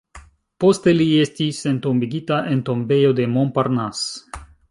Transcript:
Poste li estis entombigita en tombejo de Montparnasse.